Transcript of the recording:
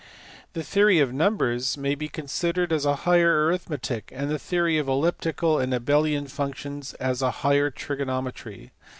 The theory of numbers may be considered as a higher arithmetic, and the theory of elliptic and Abelian functions as a higher trigonometry.